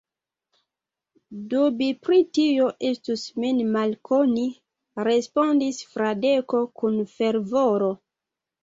Dubi pri tio estus min malkoni, respondis Fradeko kun fervoro.